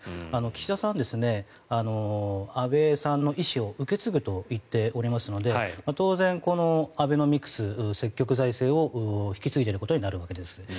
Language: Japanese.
岸田さんは安倍さんの遺志を受け継ぐといっておりますので当然、このアベノミクス積極財政を引き継いでいることになるわけです。